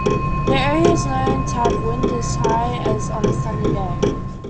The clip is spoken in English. The area is known to have wind as high as on a sunny day.